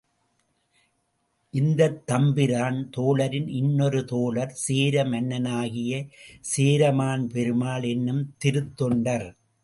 இந்தத் தம்பிரான் தோழரின் இன்னொரு தோழர் சேர மன்னனாகிய சேரமான் பெருமாள் என்னும் திருத்தொண்டர்.